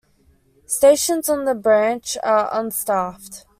Stations on the branch are unstaffed.